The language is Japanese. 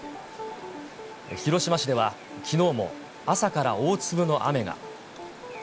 広島市では、きのうも朝から大粒の雨が。